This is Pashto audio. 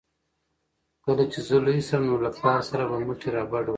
کله چې زه لوی شم نو له پلار سره به مټې رابډوهم.